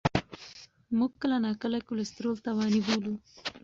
موږ کله ناکله کلسترول تاواني بولو.